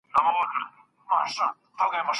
فرهنګي فعالیتونو ته دولت بودیجه ورکړې وه.